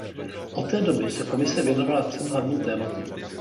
Od této doby se Komise věnovala třem hlavním tématům.